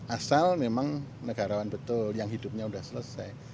asal memang negarawan betul yang hidupnya sudah selesai